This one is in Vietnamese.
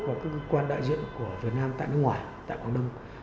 và các cơ quan đại diện của việt nam tại nước ngoài tại quảng đông